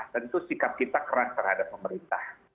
tentu sikap kita keras terhadap pemerintah